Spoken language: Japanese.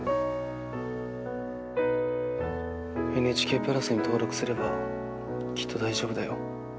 ＮＨＫプラスに登録すればきっと大丈夫だよ。